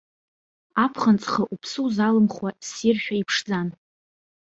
Аԥхын ҵхы уԥсы узалымхуа ссиршәа иԥшӡан.